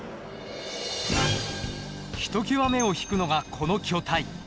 ひときわ目を引くのがこの巨体。